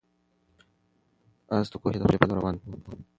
آس د کوهي د خولې په لور روان و.